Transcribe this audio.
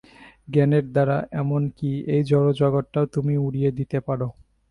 জ্ঞানের দ্বারা এমন কি এই জড় জগৎটাও তুমি উড়িয়ে দিতে পার।